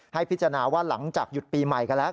ให้พิจารณาว่าหลังจากหยุดปีใหม่กันแล้ว